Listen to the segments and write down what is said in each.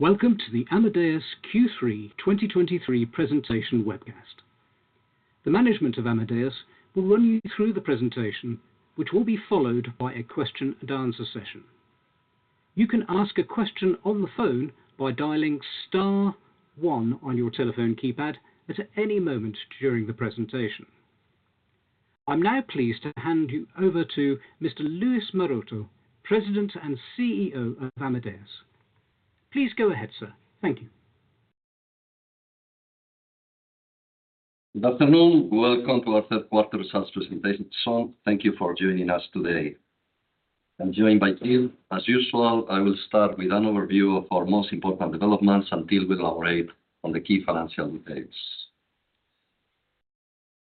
Welcome to the Amadeus Q3 2023 presentation webcast. The management of Amadeus will run you through the presentation, which will be followed by a question and answer session. You can ask a question on the phone by dialing star one on your telephone keypad at any moment during the presentation. I'm now pleased to hand you over to Mr. Luis Maroto, President and CEO of Amadeus. Please go ahead, sir. Thank you. Good afternoon. Welcome to our third quarter results presentation. So thank you for joining us today. I'm joined by team. As usual, I will start with an overview of our most important developments and deal with our update on the key financial updates.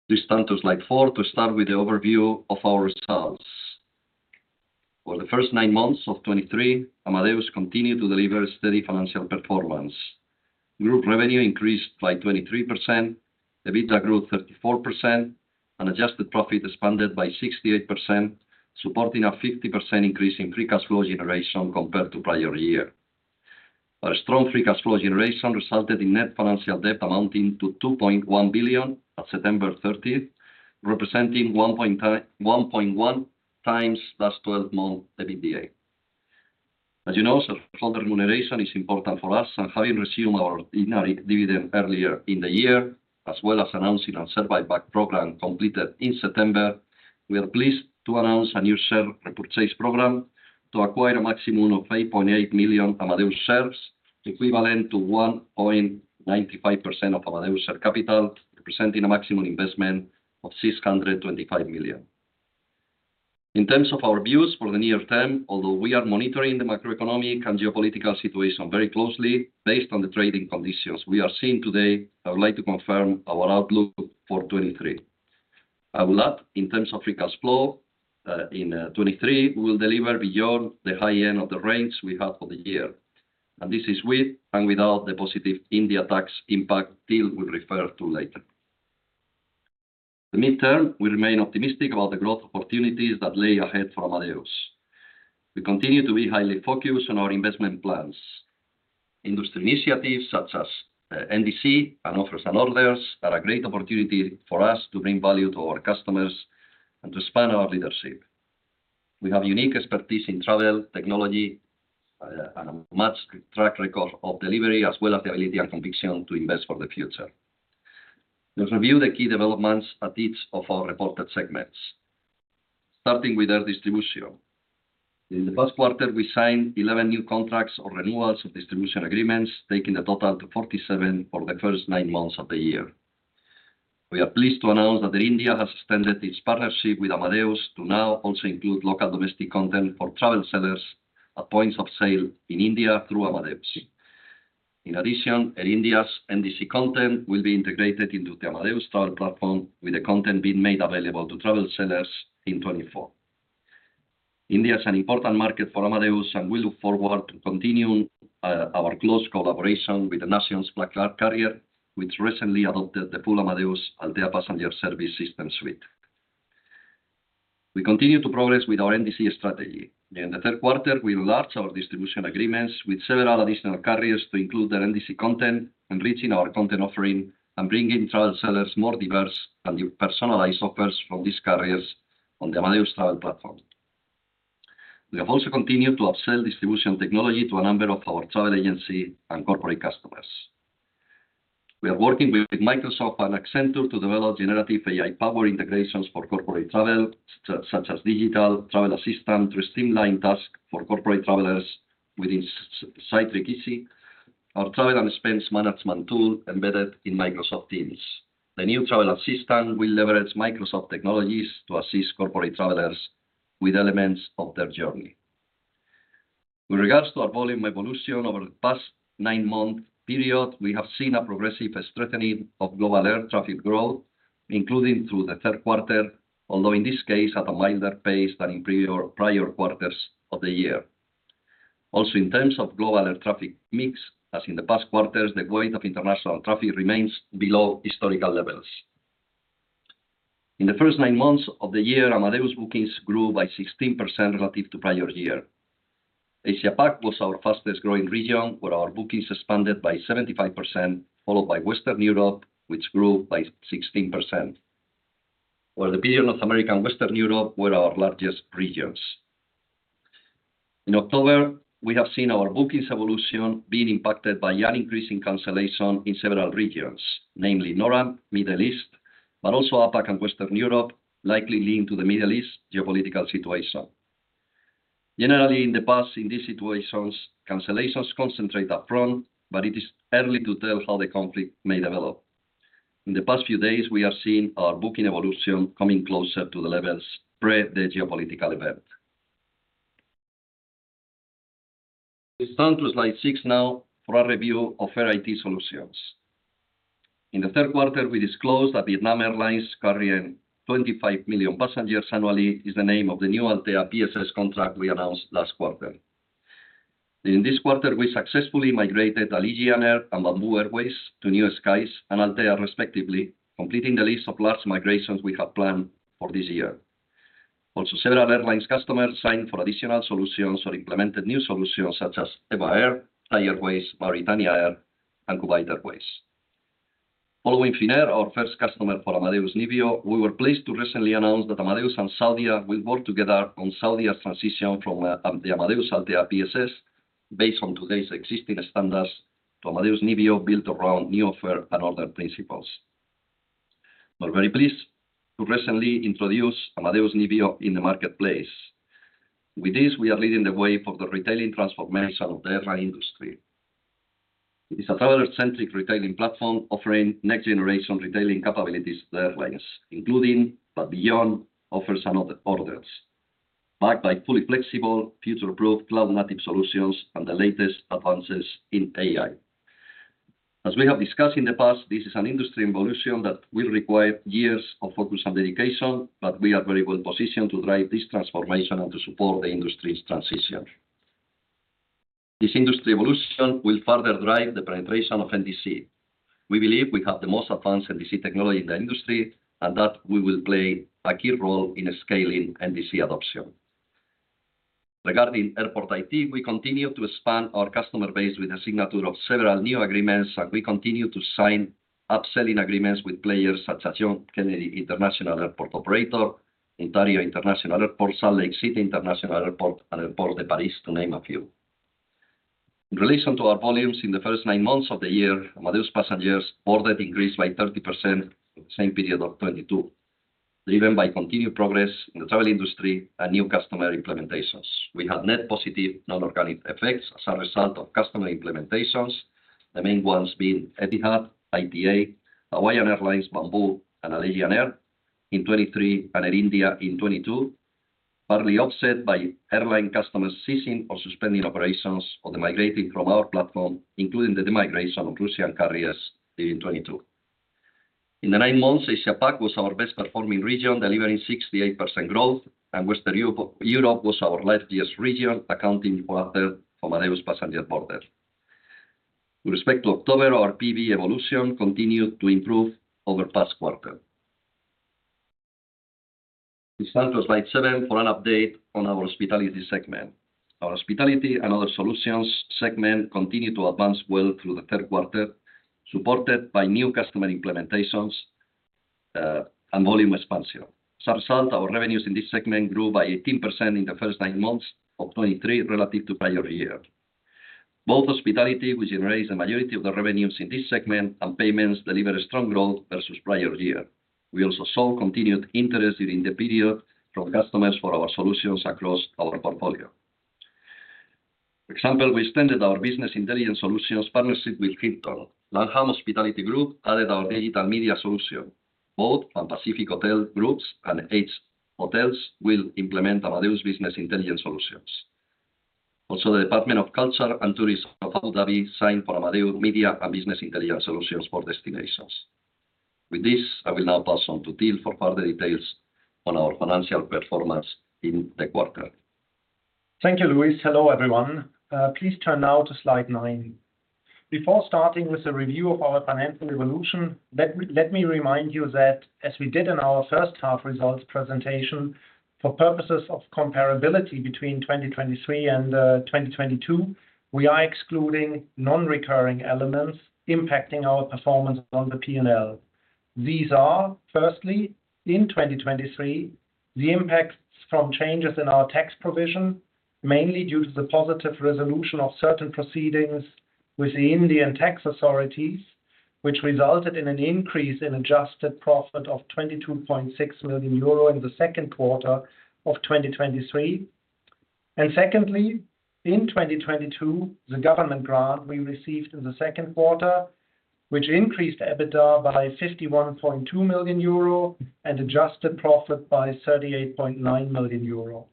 Please turn to slide four to start with the overview of our results. For the first nine months of 2023, Amadeus continued to deliver steady financial performance. Group revenue increased by 23%, EBITDA grew 34%, and adjusted profit expanded by 68%, supporting a 50% increase in free cash flow generation compared to prior year. Our strong free cash flow generation resulted in net financial debt amounting to 2.1 billion on September thirtieth, representing 1.1x last twelve-month EBITDA. As you know, shareholder remuneration is important for us, and having received our dividend earlier in the year, as well as announcing our share buyback program completed in September, we are pleased to announce a new share repurchase program to acquire a maximum of 8.8 million Amadeus shares, equivalent to 1.95% of Amadeus' capital, representing a maximum investment of 625 million. In terms of our views for the near term, although we are monitoring the macroeconomic and geopolitical situation very closely, based on the trading conditions we are seeing today, I would like to confirm our outlook for 2023. I will add, in terms of free cash flow, in 2023, we will deliver beyond the high end of the range we have for the year, and this is with and without the positive India tax impact deal we'll refer to later. The midterm, we remain optimistic about the growth opportunities that lay ahead for Amadeus. We continue to be highly focused on our investment plans. Industry initiatives such as NDC and offers and orders are a great opportunity for us to bring value to our customers and to expand our leadership. We have unique expertise in travel, technology, and a much track record of delivery, as well as the ability and conviction to invest for the future. Let's review the key developments at each of our reported segments, starting with Air Distribution. In the first quarter, we signed 11 new contracts or renewals of distribution agreements, taking the total to 47 for the first nine months of the year. We are pleased to announce that Air India has extended its partnership with Amadeus to now also include local domestic content for travel sellers at points of sale in India through Amadeus. In addition, Air India's NDC content will be integrated into the Amadeus Travel Platform, with the content being made available to travel sellers in 2024. India is an important market for Amadeus, and we look forward to continuing our close collaboration with the nation's flag carrier, which recently adopted the full Amadeus Altéa Passenger Service System suite. We continue to progress with our NDC strategy. In the third quarter, we launched our distribution agreements with several additional carriers to include their NDC content, enriching our content offering and bringing travel sellers more diverse and personalized offers from these carriers on the Amadeus Travel Platform. We have also continued to upsell distribution technology to a number of our travel agency and corporate customers. We are working with Microsoft and Accenture to develop generative AI-powered integrations for corporate travel, such as Digital Travel Assistant, to streamline tasks for corporate travelers within Cytric Easy, our travel and expense management tool embedded in Microsoft Teams. The new Digital Travel Assistant will leverage Microsoft technologies to assist corporate travelers with elements of their journey. With regards to our volume evolution, over the past nine-month period, we have seen a progressive strengthening of global air traffic growth, including through the third quarter, although in this case, at a milder pace than in prior, prior quarters of the year. Also, in terms of global air traffic mix, as in the past quarters, the growth of international traffic remains below historical levels. In the first nine months of the year, Amadeus bookings grew by 16% relative to prior year. Asia Pac was our fastest-growing region, where our bookings expanded by 75%, followed by Western Europe, which grew by 16%, while in North America and Western Europe were our largest regions. In October, we have seen our bookings evolution being impacted by an increase in cancellation in several regions, namely NORAM, Middle East, but also APAC and Western Europe, likely linked to the Middle East geopolitical situation. Generally, in the past, in these situations, cancellations concentrate upfront, but it is early to tell how the conflict may develop. In the past few days, we have seen our booking evolution coming closer to the levels pre the geopolitical event. We turn to slide six now for our review of Airline IT Solutions. In the third quarter, we disclosed that Vietnam Airlines, carrying 25 million passengers annually, is the name of the new Altéa PSS contract we announced last quarter. In this quarter, we successfully migrated Allegiant Air and Bamboo Airways to New Skies, and Altéa respectively, completing the list of large migrations we have planned for this year.... Also, several airline customers signed for additional solutions or implemented new solutions, such as EVA Air, Thai Airways, Mauritania Air, and Kuwait Airways. Following Finnair, our first customer for Amadeus Nevio, we were pleased to recently announce that Amadeus and Saudia will work together on Saudia's transition from the Amadeus Altéa PSS, based on today's existing standards, to Amadeus Nevio, built around new offer and order principles. We're very pleased to recently introduce Amadeus Nevio in the marketplace. With this, we are leading the way for the retailing transformation of the airline industry. It is a traveler-centric retailing platform offering next-generation retailing capabilities to airlines, including, but beyond, offers and orders, backed by fully flexible, future-proof, cloud-native solutions and the latest advances in AI. As we have discussed in the past, this is an industry evolution that will require years of focus and dedication, but we are very well positioned to drive this transformation and to support the industry's transition. This industry evolution will further drive the penetration of NDC. We believe we have the most advanced NDC technology in the industry, and that we will play a key role in scaling NDC adoption. Regarding airport IT, we continue to expand our customer base with the signature of several new agreements, and we continue to sign upselling agreements with players such as John F. Kennedy International Airport, Ontario International Airport, Salt Lake City International Airport, and Aéroports de Paris, to name a few. In relation to our volumes in the first nine months of the year, Amadeus passengers boarded increased by 30% in the same period of 2022, driven by continued progress in the travel industry and new customer implementations. We had net positive, non-organic effects as a result of customer implementations, the main ones being Etihad, ITA, Hawaiian Airlines, Bamboo, and Air Algérie in 2023, and Air India in 2022, partly offset by airline customers ceasing or suspending operations or migrating from our platform, including the migration of Russian carriers in 2022. In the nine months, Asia-Pac was our best-performing region, delivering 68% growth, and Western Europe was our largest region, accounting for a third from Amadeus passenger boarded. With respect to October, our PB evolution continued to improve over past quarter. We turn to slide seven for an update on our hospitality segment. Our hospitality and other solutions segment continued to advance well through the third quarter, supported by new customer implementations, and volume expansion. As a result, our revenues in this segment grew by 18% in the first nine months of 2023 relative to prior year. Both hospitality, which generates a majority of the revenues in this segment, and payments delivered a strong growth versus prior year. We also saw continued interest during the period from customers for our solutions across our portfolio. For example, we extended our business intelligence solutions partnership with Hilton. Langham Hospitality Group added our digital media solution. Both Pan Pacific Hotels Group and H-Hotels will implement Amadeus business intelligence solutions. Also, the Department of Culture and Tourism of Abu Dhabi signed for Amadeus media and business intelligence solutions for destinations. With this, I will now pass on to Till for further details on our financial performance in the quarter. Thank you, Luis. Hello, everyone. Please turn now to slide nine. Before starting with a review of our financial evolution, let me, let me remind you that as we did in our first half results presentation, for purposes of comparability between 2023 and 2022, we are excluding non-recurring elements impacting our performance on the P&L. These are, firstly, in 2023, the impacts from changes in our tax provision, mainly due to the positive resolution of certain proceedings with the Indian tax authorities, which resulted in an increase in adjusted profit of 22.6 million euro in the second quarter of 2023. And secondly, in 2022, the government grant we received in the second quarter, which increased EBITDA by 51.2 million euro and adjusted profit by 38.9 million euro.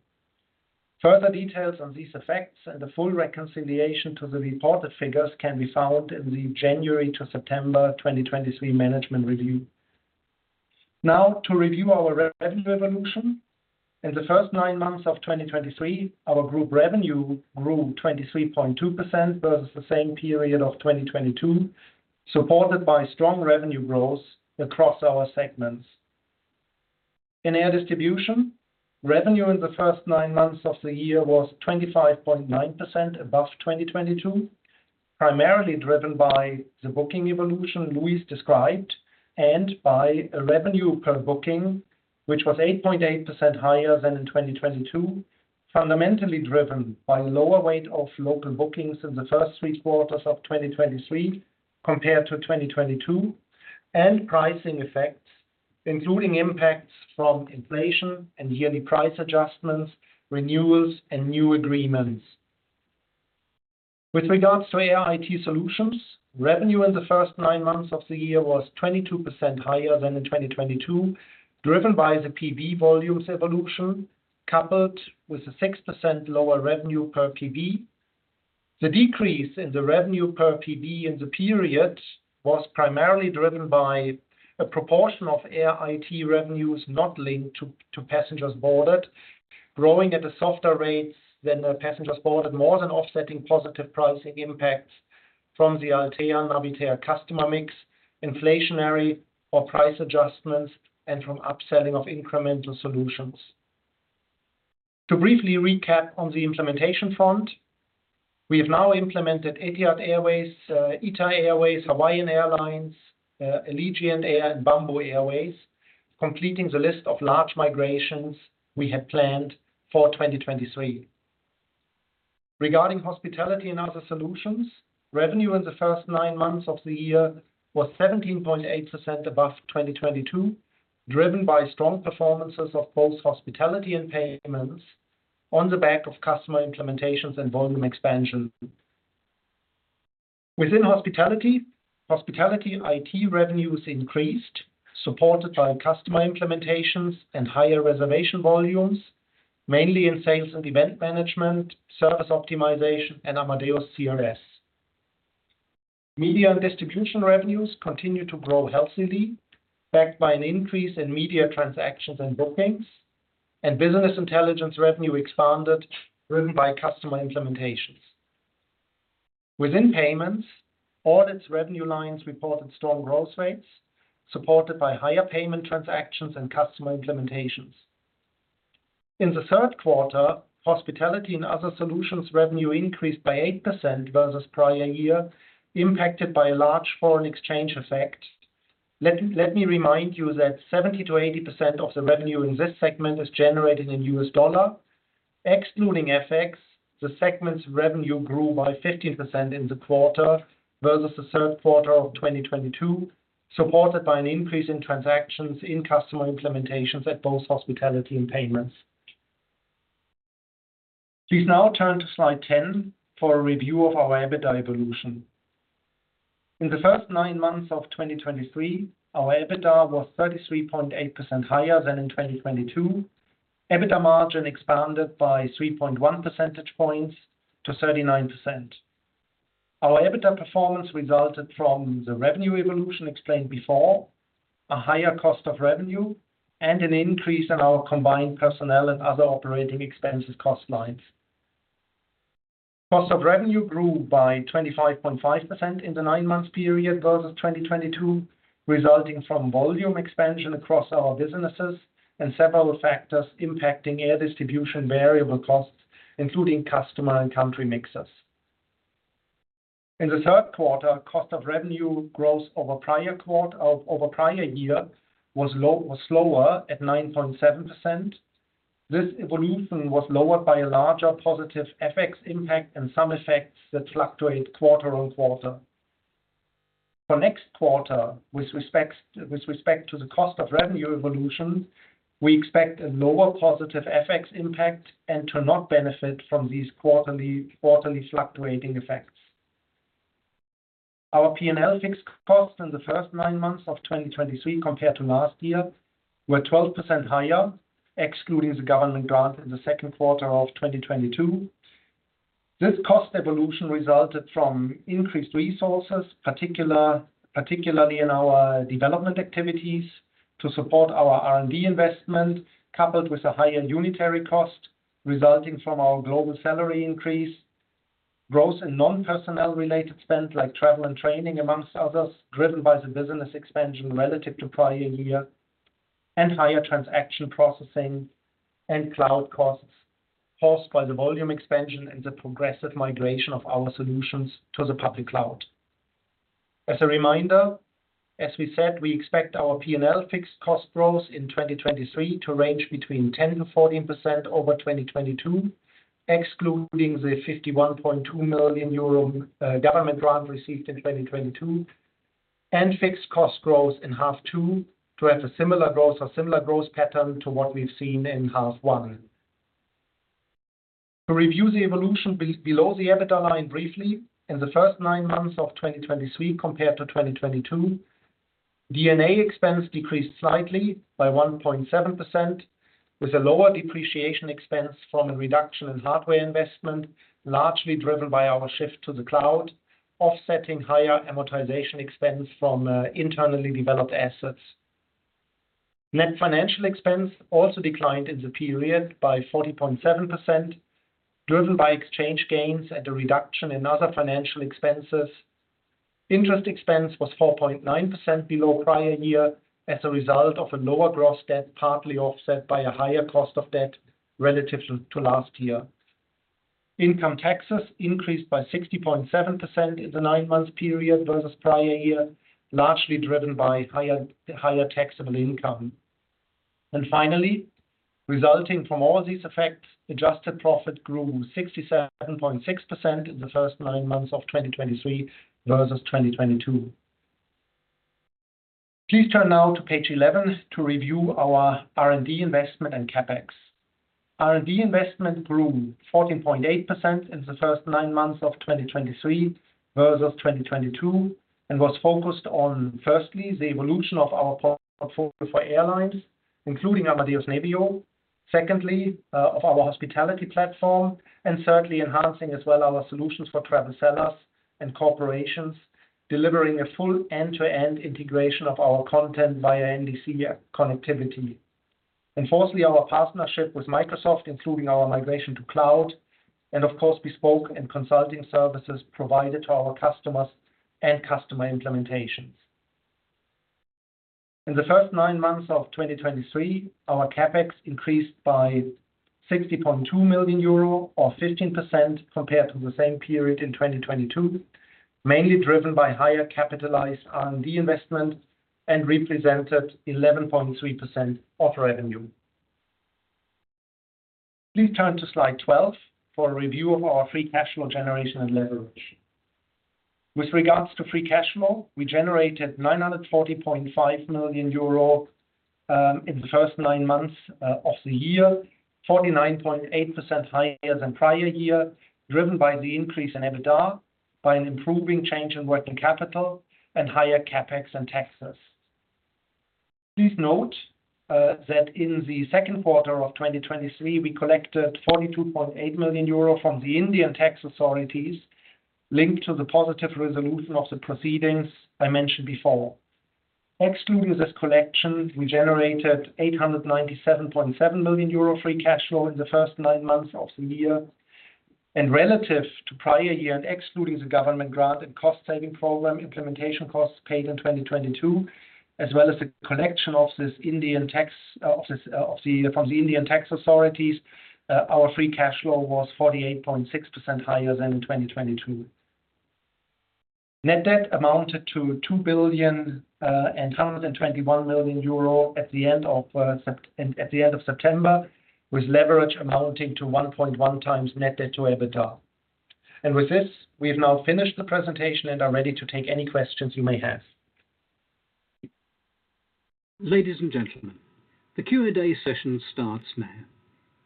Further details on these effects and the full reconciliation to the reported figures can be found in the January to September 2023 management review. Now to review our revenue evolution. In the first nine months of 2023, our group revenue grew 23.2% versus the same period of 2022, supported by strong revenue growth across our segments. In air distribution, revenue in the first nine months of the year was 25.9% above 2022, primarily driven by the booking evolution Luis described, and by a revenue per booking, which was 8.8% higher than in 2022, fundamentally driven by lower weight of local bookings in the first three quarters of 2023 compared to 2022, and pricing effects, including impacts from inflation and yearly price adjustments, renewals, and new agreements. With regards to Airline IT Solutions, revenue in the first nine months of the year was 22% higher than in 2022, driven by the PB volumes evolution, coupled with a 6% lower revenue per PB. The decrease in the revenue per PB in the period was primarily driven by a proportion of Airline IT revenues not linked to passengers boarded growing at a softer rates than the passengers boarded, more than offsetting positive pricing impacts from the Altéa and Navitaire customer mix, inflationary or price adjustments, and from upselling of incremental solutions. To briefly recap on the implementation front, we have now implemented Etihad Airways, ITA Airways, Hawaiian Airlines, Allegiant Air, and Bamboo Airways, completing the list of large migrations we had planned for 2023. Regarding hospitality and other solutions, revenue in the first nine months of the year was 17.8% above 2022, driven by strong performances of both hospitality and payments on the back of customer implementations and volume expansion. Within hospitality, hospitality IT revenues increased, supported by customer implementations and higher reservation volumes, mainly in Sales & Event Management, Service Optimization, and Amadeus CRS. Media and distribution revenues continue to grow healthily, backed by an increase in media transactions and bookings, and business intelligence revenue expanded, driven by customer implementations. Within payments, all its revenue lines reported strong growth rates, supported by higher payment transactions and customer implementations. In the third quarter, hospitality and other solutions revenue increased by 8% versus prior year, impacted by a large foreign exchange effect. Let me remind you that 70%-80% of the revenue in this segment is generated in U.S. dollar. Excluding FX, the segment's revenue grew by 15% in the quarter versus the third quarter of 2022, supported by an increase in transactions in customer implementations at both hospitality and payments. Please now turn to slide 10 for a review of our EBITDA evolution. In the first nine months of 2023, our EBITDA was 33.8% higher than in 2022. EBITDA margin expanded by 3.1 percentage points to 39%. Our EBITDA performance resulted from the revenue evolution explained before, a higher cost of revenue, and an increase in our combined personnel and other operating expenses cost lines. Cost of revenue grew by 25.5% in the nine-month period versus 2022, resulting from volume expansion across our businesses and several factors impacting air distribution variable costs, including customer and country mixes. In the third quarter, cost of revenue growth over prior year was low, was slower at 9.7%. This evolution was lowered by a larger positive FX impact and some effects that fluctuate quarter on quarter. For next quarter, with respects, with respect to the cost of revenue evolution, we expect a lower positive FX impact and to not benefit from these quarterly, quarterly fluctuating effects. Our P&L fixed costs in the first nine months of 2023 compared to last year were 12% higher, excluding the government grant in the second quarter of 2022. This cost evolution resulted from increased resources, particularly in our development activities to support our R&D investment, coupled with a higher unitary cost resulting from our global salary increase. Growth in non-personnel related spend, like travel and training, among others, driven by the business expansion relative to prior year, and higher transaction processing and cloud costs caused by the volume expansion and the progressive migration of our solutions to the public cloud. As a reminder, as we said, we expect our P&L fixed cost growth in 2023 to range between 10%-14% over 2022, excluding the 51.2 million euro government grant received in 2022, and fixed cost growth in H2 to have a similar growth or similar growth pattern to what we've seen in H1. To review the evolution below the EBITDA line briefly, in the first nine months of 2023 compared to 2022, D&A expense decreased slightly by 1.7%, with a lower depreciation expense from a reduction in hardware investment, largely driven by our shift to the cloud, offsetting higher amortization expense from internally developed assets. Net financial expense also declined in the period by 40.7%, driven by exchange gains and a reduction in other financial expenses. Interest expense was 4.9% below prior year as a result of a lower gross debt, partly offset by a higher cost of debt relative to last year. Income taxes increased by 60.7% in the nine-month period versus prior year, largely driven by higher taxable income. And finally, resulting from all these effects, adjusted profit grew 67.6% in the first nine months of 2023 versus 2022. Please turn now to page 11 to review our R&D investment and CapEx. R&D investment grew 14.8% in the first nine months of 2023 versus 2022, and was focused on, firstly, the evolution of our portfolio for airlines, including Amadeus Nevio. Secondly, of our hospitality platform, and certainly enhancing as well our solutions for travel sellers... and corporations, delivering a full end-to-end integration of our content via NDC connectivity. And fourthly, our partnership with Microsoft, including our migration to cloud, and of course, bespoke and consulting services provided to our customers and customer implementations. In the first nine months of 2023, our CapEx increased by 60.2 million euro, or 15% compared to the same period in 2022, mainly driven by higher capitalized R&D investment and represented 11.3% of revenue. Please turn to slide 12 for a review of our free cash flow generation and leverage. With regards to free cash flow, we generated 940.5 million euro in the first nine months of the year. 49.8% higher than prior year, driven by the increase in EBITDA, by an improving change in working capital and higher CapEx and taxes. Please note that in the second quarter of 2023, we collected 42.8 million euro from the Indian tax authorities, linked to the positive resolution of the proceedings I mentioned before. Excluding this collection, we generated 897.7 million euro free cash flow in the first nine months of the year. Relative to prior year, and excluding the government grant and cost-saving program, implementation costs paid in 2022, as well as the collection of this Indian tax, of this, from the Indian tax authorities, our free cash flow was 48.6% higher than in 2022. Net debt amounted to 2.121 billion at the end of, at the end of September, with leverage amounting to 1.1x net debt to EBITDA. With this, we have now finished the presentation and are ready to take any questions you may have. Ladies and gentlemen, the Q&A session starts now.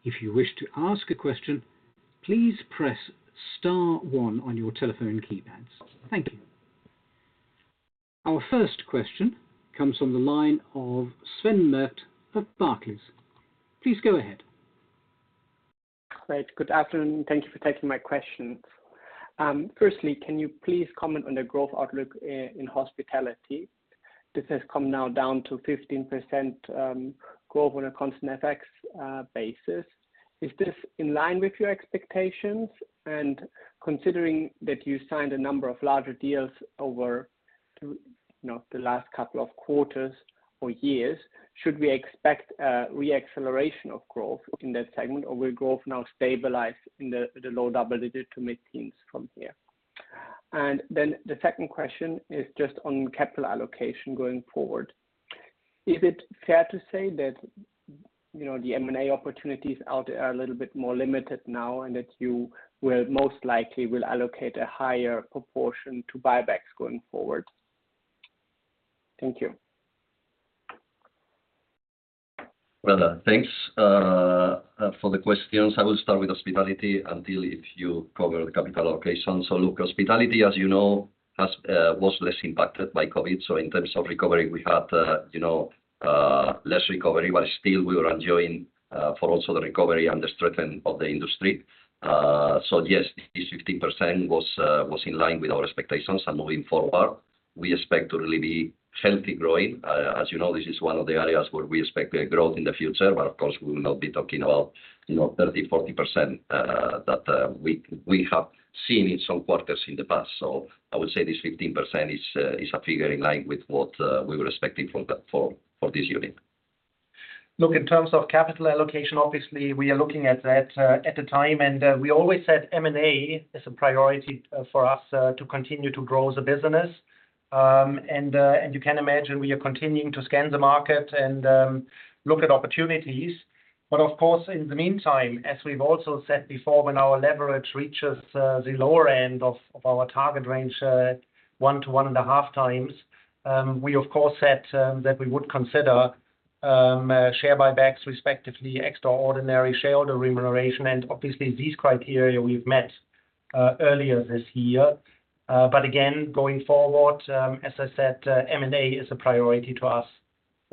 If you wish to ask a question, please press star one on your telephone keypads. Thank you. Our first question comes from the line of Sven Merkt of Barclays. Please go ahead. Great. Good afternoon, thank you for taking my questions. Firstly, can you please comment on the growth outlook in hospitality? This has come now down to 15% growth on a constant FX basis. Is this in line with your expectations? And considering that you signed a number of larger deals over, you know, the last couple of quarters or years, should we expect a reacceleration of growth in that segment, or will growth now stabilize in the, the low double digits mid-teens from here? And then the second question is just on capital allocation going forward. Is it fair to say that, you know, the M&A opportunities out there are a little bit more limited now, and that you will most likely will allocate a higher proportion to buybacks going forward? Thank you. Well, thanks for the questions. I will start with hospitality, and Till, if you cover the capital allocation. So look, hospitality, as you know, was less impacted by COVID. So in terms of recovery, we had, you know, less recovery, but still, we were enjoying for also the recovery and the strength of the industry. So yes, this 15% was in line with our expectations. And moving forward, we expect to really be healthy growing. As you know, this is one of the areas where we expect a growth in the future, but of course, we will not be talking about, you know, 30, 40% that we have seen in some quarters in the past. So I would say this 15% is a figure in line with what we were expecting for this unit. Look, in terms of capital allocation, obviously, we are looking at that at the time, and we always said M&A is a priority for us to continue to grow the business. And you can imagine we are continuing to scan the market and look at opportunities. But of course, in the meantime, as we've also said before, when our leverage reaches the lower end of our target range, 1-1.5 times, we of course said that we would consider share buybacks, respectively, extraordinary shareholder remuneration. And obviously, these criteria we've met earlier this year. But again, going forward, as I said, M&A is a priority to us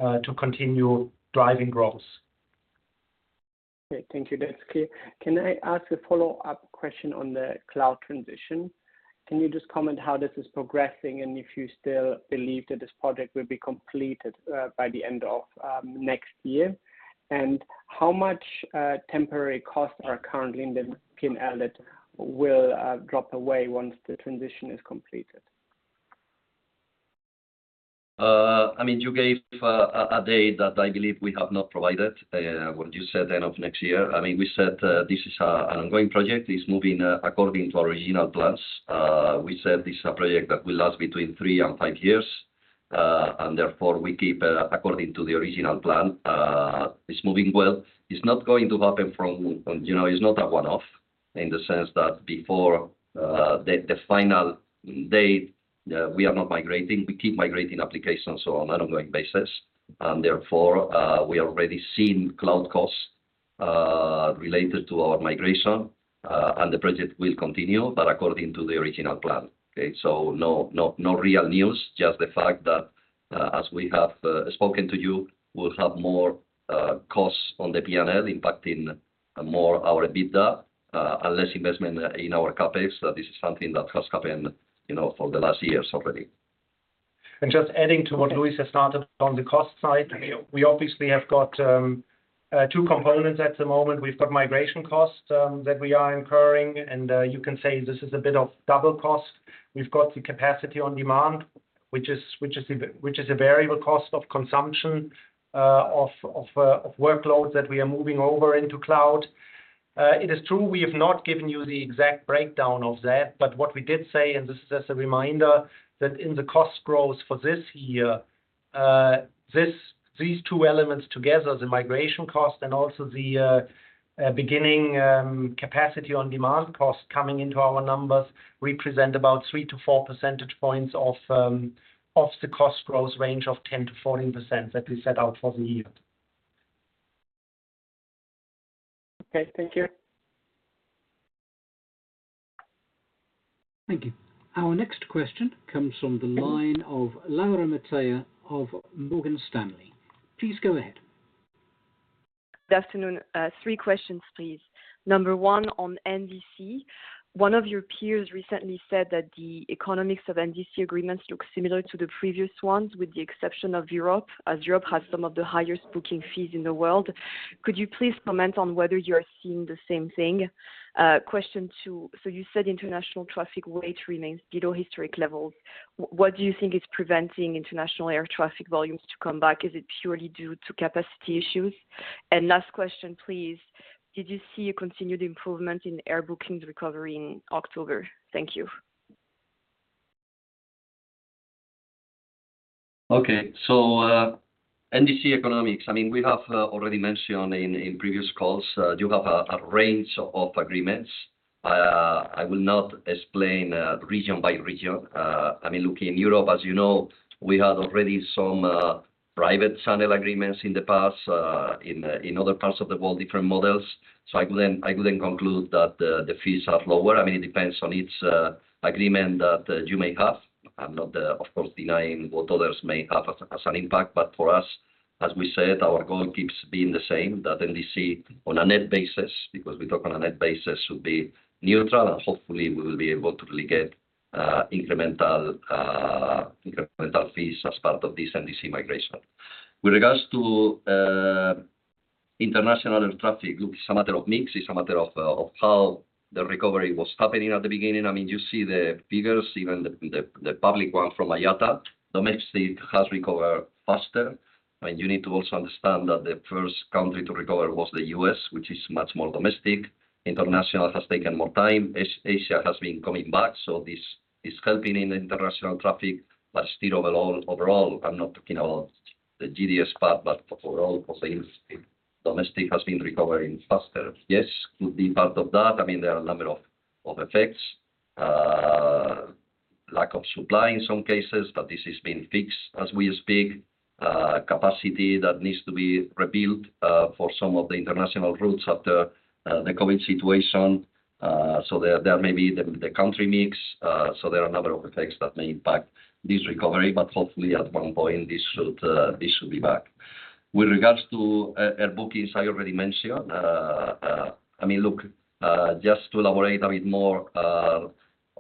to continue driving growth. Okay. Thank you. That's clear. Can I ask a follow-up question on the cloud transition? Can you just comment how this is progressing, and if you still believe that this project will be completed by the end of next year? How much temporary costs are currently in the P&L that will drop away once the transition is completed? I mean, you gave a date that I believe we have not provided. What you said end of next year. I mean, we said this is an ongoing project, is moving according to original plans. We said this is a project that will last between three and five years. And therefore, we keep according to the original plan. It's moving well. It's not going to happen from, you know, it's not a one-off in the sense that before the final date, we are not migrating. We keep migrating applications so on an ongoing basis, and therefore, we already seen cloud costs related to our migration, and the project will continue, but according to the original plan. Okay, so no, no, no real news, just the fact that-... As we have spoken to you, we'll have more costs on the P&L impacting more our EBITDA, and less investment in our CapEx. This is something that has happened, you know, for the last years already. Just adding to what Luis has started on the cost side, we obviously have got two components at the moment. We've got migration costs that we are incurring, and you can say this is a bit of double cost. We've got the Capacity on Demand, which is a variable cost of consumption of workloads that we are moving over into cloud. It is true, we have not given you the exact breakdown of that, but what we did say, and this is as a reminder, that in the cost growth for this year, these two elements together, the migration cost and also the beginning Capacity on Demand cost coming into our numbers, represent about 3-4 percentage points of the cost growth range of 10%-14% that we set out for the year. Okay, thank you. Thank you. Our next question comes from the line of Laura Metayer of Morgan Stanley. Please go ahead. Good afternoon. Three questions, please. Number one, on NDC, one of your peers recently said that the economics of NDC agreements look similar to the previous ones, with the exception of Europe, as Europe has some of the highest booking fees in the world. Could you please comment on whether you are seeing the same thing? Question two, so you said international traffic will rate remains below historic levels. What do you think is preventing international air traffic volumes to come back? Is it purely due to capacity issues? And last question, please, did you see a continued improvement in air bookings recovery in October? Thank you. Okay. So, NDC economics, I mean, we have already mentioned in previous calls, you have a range of agreements. I will not explain region by region. I mean, looking in Europe, as you know, we had already some private channel agreements in the past, in other parts of the world, different models. So I couldn't conclude that the fees are lower. I mean, it depends on each agreement that you may have. I'm not, of course, denying what others may have as an impact, but for us, as we said, our goal keeps being the same, that NDC, on a net basis, because we talk on a net basis, will be neutral, and hopefully we will be able to really get incremental fees as part of this NDC migration. With regards to international traffic, look, it's a matter of mix, it's a matter of how the recovery was happening at the beginning. I mean, you see the figures, even the public one from IATA. Domestic has recovered faster, but you need to also understand that the first country to recover was the U.S., which is much more domestic. International has taken more time. Asia has been coming back, so this is helping in the international traffic, but still overall, overall, I'm not talking about the GDS part, but overall, for things, domestic has been recovering faster. Yes, could be part of that. I mean, there are a number of, of effects, lack of supply in some cases, but this is being fixed as we speak. Capacity that needs to be rebuilt, for some of the international routes after, the COVID situation. So there, there may be the, the country mix. So there are a number of effects that may impact this recovery, but hopefully at one point, this should, this should be back. With regards to air bookings, I already mentioned, I mean, look, just to elaborate a bit more,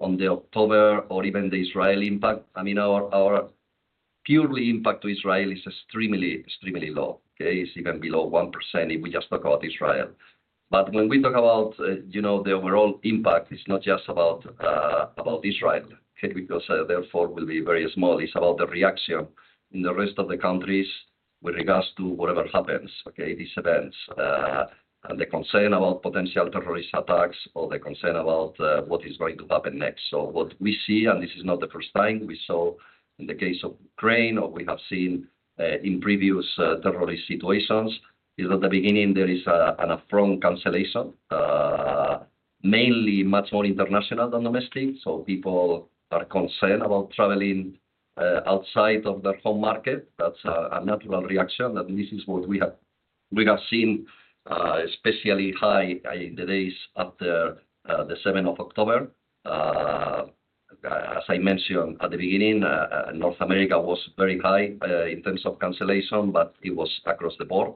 on the October or even the Israeli impact, I mean, our, our purely impact to Israel is extremely, extremely low, okay? It's even below 1% if we just talk about Israel. But when we talk about, you know, the overall impact, it's not just about, about Israel, okay? Because therefore, will be very small. It's about the reaction in the rest of the countries with regards to whatever happens, okay? These events, and the concern about potential terrorist attacks or the concern about, what is going to happen next. So what we see, and this is not the first time, we saw in the case of Ukraine, or we have seen in previous terrorist situations, is at the beginning, there is an upfront cancellation, mainly much more international than domestic. So people are concerned about traveling outside of their home market. That's a natural reaction, and this is what we have seen, especially high in the days after the seventh of October. As I mentioned at the beginning, North America was very high in terms of cancellation, but it was across the board.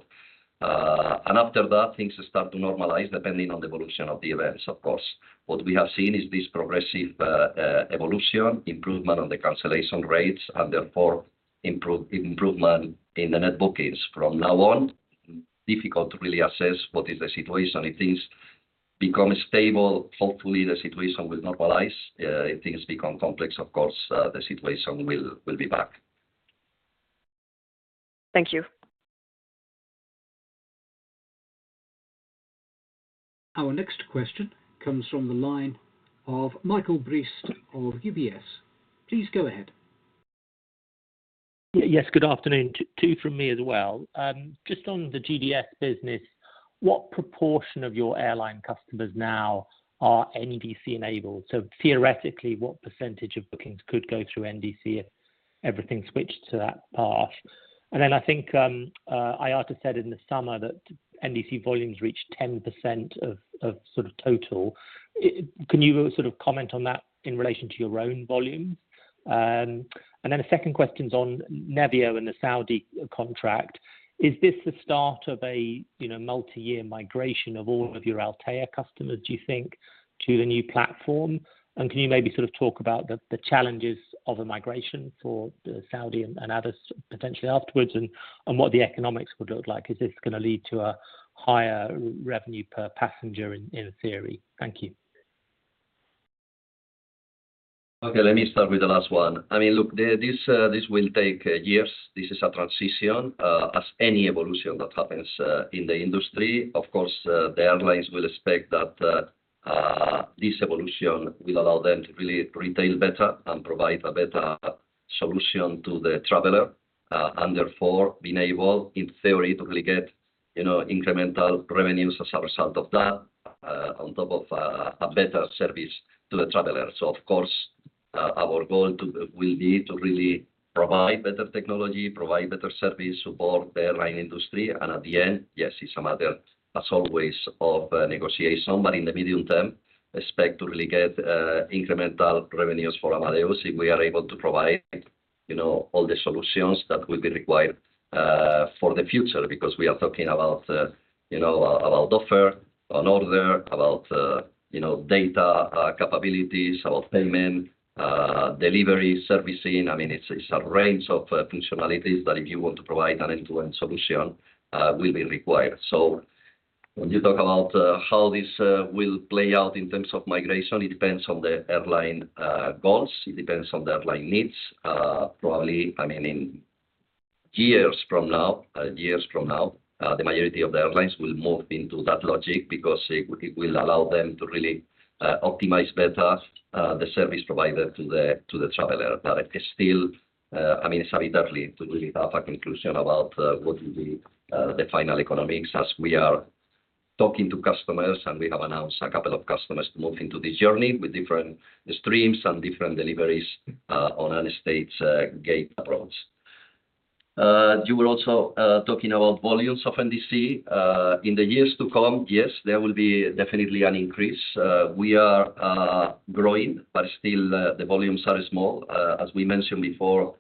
And after that, things start to normalize, depending on the evolution of the events, of course. What we have seen is this progressive evolution, improvement on the cancellation rates, and therefore, improvement in the net bookings. From now on, difficult to really assess what is the situation. If things become stable, hopefully the situation will normalize. If things become complex, of course, the situation will be back. Thank you. Our next question comes from the line of Michael Briest of UBS. Please go ahead. Yes, good afternoon. Two from me as well. Just on the GDS business, what proportion of your airline customers now are NDC-enabled? So theoretically, what percentage of bookings could go through NDC if everything switched to that path? And then I think, IATA said in the summer that NDC volumes reached 10% of sort of total. Can you sort of comment on that in relation to your own volume? And then the second question's on Nevio and the Saudi contract. Is this the start of a, you know, multi-year migration of all of your Altea customers, do you think, to the new platform? And can you maybe sort of talk about the challenges of a migration for the Saudi and others potentially afterwards, and what the economics would look like? Is this gonna lead to a higher revenue per passenger in theory? Thank you. Okay, let me start with the last one. I mean, look, this will take years. This is a transition, as any evolution that happens, in the industry. Of course, the airlines will expect that, this evolution will allow them to really retail better and provide a better solution to the traveler, and therefore being able, in theory, to really get, you know, incremental revenues as a result of that, on top of, a better service to the traveler. So of course, our goal will be to really provide better technology, provide better service, support the airline industry, and at the end, yes, it's a matter, as always, of, negotiation. But in the medium term, expect to really get incremental revenues for Amadeus if we are able to provide, you know, all the solutions that will be required for the future. Because we are talking about, you know, about offer and order, about, you know, data capabilities, about payment delivery, servicing. I mean, it's a range of functionalities that if you want to provide an end-to-end solution will be required. So when you talk about how this will play out in terms of migration, it depends on the airline goals, it depends on the airline needs. Probably, I mean, in years from now, years from now, the majority of the airlines will move into that logic because it, it will allow them to really, optimize better, the service provider to the, to the traveler. But it is still, I mean, it's very early to really have a conclusion about, what will be, the final economics. As we are talking to customers, and we have announced a couple of customers to move into this journey with different streams and different deliveries, on a staged-gate approach. You were also talking about volumes of NDC. In the years to come, yes, there will be definitely an increase. We are growing, but still, the volumes are small. As we mentioned before,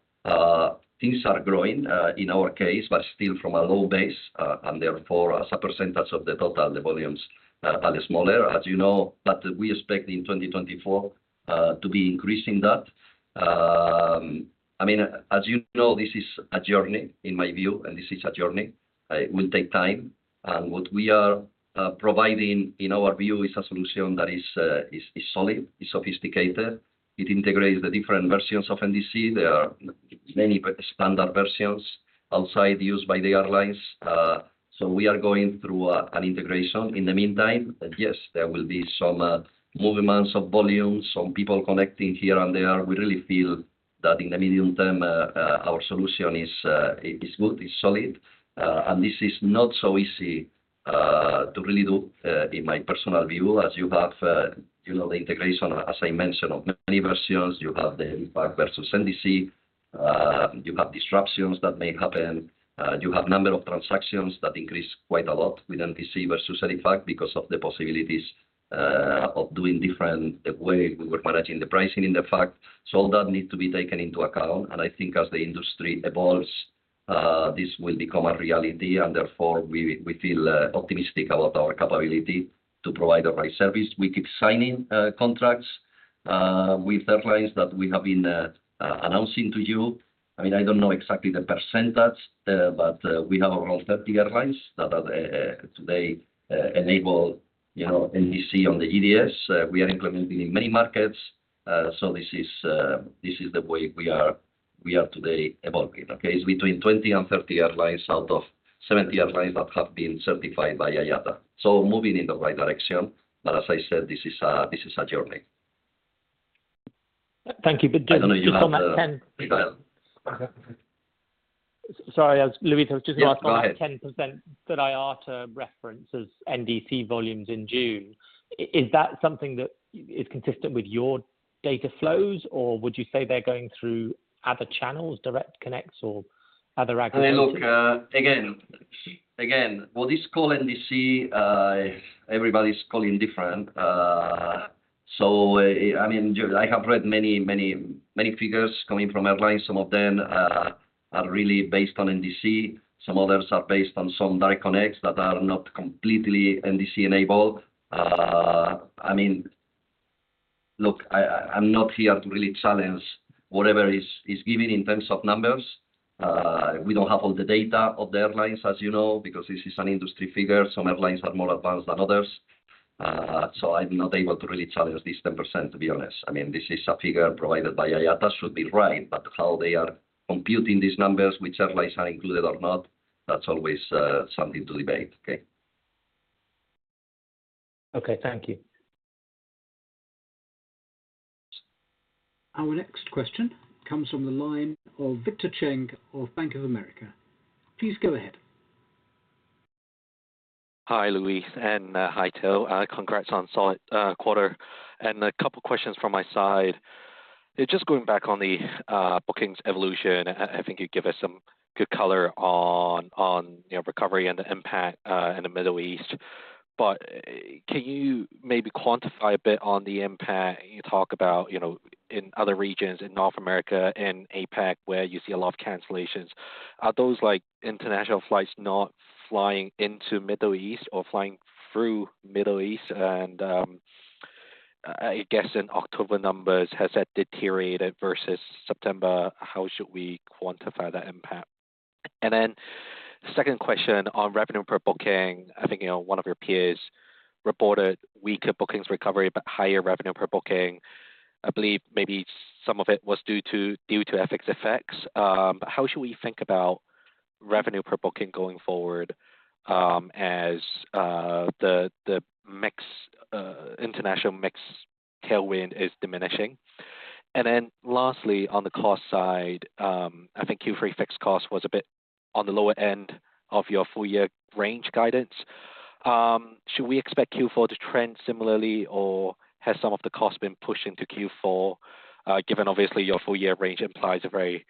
things are growing, in our case, but still from a low base. And therefore, as a percentage of the total, the volumes are smaller. As you know, but we expect in 2024 to be increasing that. I mean, as you know, this is a journey, in my view, and this is a journey. It will take time. And what we are providing, in our view, is a solution that is solid, is sophisticated. It integrates the different versions of NDC. There are many standard versions outside used by the airlines, so we are going through an integration in the meantime. And yes, there will be some movements of volume, some people connecting here and there. We really feel that in the medium term, our solution is, is good, is solid. And this is not so easy, to really do, in my personal view, as you have, you know, the integration, as I mentioned, of many versions. You have the impact versus NDC, you have disruptions that may happen, you have number of transactions that increase quite a lot with NDC versus EDIFACT because of the possibilities, of doing different way we were managing the pricing in the past. So all that need to be taken into account, and I think as the industry evolves, this will become a reality, and therefore, we, we feel, optimistic about our capability to provide the right service. We keep signing, contracts, with airlines that we have been, announcing to you. I mean, I don't know exactly the percentage, but we have around 30 airlines that are today enable, you know, NDC on the EDS. We are implementing in many markets, so this is, this is the way we are, we are today evolving, okay? It's between 20-30 airlines out of 70 airlines that have been certified by IATA. So moving in the right direction, but as I said, this is a, this is a journey. Thank you. But just- I know you have, Sorry, as Luis was just asking- Yes, go ahead. About 10% that IATA references NDC volumes in June. Is that something that is consistent with your data flows, or would you say they're going through other channels, direct connects or other aggregates? I mean, look, again, again, what is called NDC, everybody's calling different. So, I mean, I have read many, many, many figures coming from airlines. Some of them are really based on NDC, some others are based on some direct connects that are not completely NDC-enabled. I mean, look, I, I'm not here to really challenge whatever is, is given in terms of numbers. We don't have all the data of the airlines, as you know, because this is an industry figure. Some airlines are more advanced than others, so I'm not able to really challenge this 10%, to be honest. I mean, this is a figure provided by IATA. Should be right, but how they are computing these numbers, which airlines are included or not, that's always something to debate. Okay? Okay. Thank you. Our next question comes from the line of Victor Cheng of Bank of America. Please go ahead. Hi, Luis, and hi, Till. Congrats on solid quarter. And a couple questions from my side. Just going back on the bookings evolution, I think you gave us some good color on, you know, recovery and the impact in the Middle East. But can you maybe quantify a bit on the impact you talk about, you know, in other regions, in North America and APAC, where you see a lot of cancellations? Are those, like, international flights not flying into Middle East or flying through Middle East? And I guess in October numbers, has that deteriorated versus September? How should we quantify that impact? And then second question on revenue per booking. I think, you know, one of your peers reported weaker bookings recovery, but higher revenue per booking. I believe maybe some of it was due to, due to FX effects. But how should we think about revenue per booking going forward, as the mix, international mix tailwind is diminishing? And then lastly, on the cost side, I think Q3 fixed cost was a bit on the lower end of your full year range guidance. Should we expect Q4 to trend similarly, or has some of the costs been pushed into Q4, given obviously your full year range implies a very